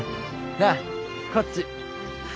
なあこっち。